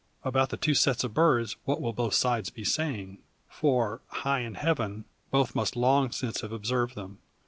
About the two sets of birds what will both sides be saying? For, high in heaven, both must long since have observed them.